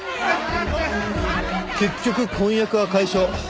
結局婚約は解消。